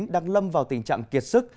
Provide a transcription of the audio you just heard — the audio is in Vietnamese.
đang lâm vào tình trạng kiệt sức